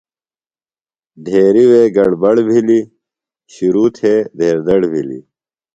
ڈھیریۡ وے گڑ بڑ بِھلیۡ، شِروۡ تھے ڈہیر دڑ بِھلیۡ